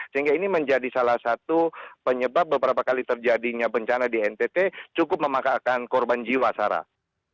sehingga ini menjadi salah satu penyebab beberapa kali terjadinya bencana di ntt cukup memakakan korban jiwa sarah